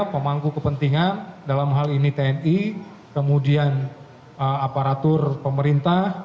pemangku kepentingan dalam hal ini tni kemudian aparatur pemerintah